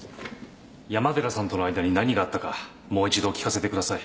山寺さんとの間に何があったかもう一度聞かせてください。